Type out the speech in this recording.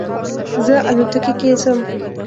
زه الوتکې کې ځم